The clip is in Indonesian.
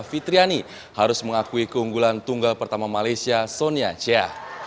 fitriani harus mengakui keunggulan tunggal pertama malaysia sonia chea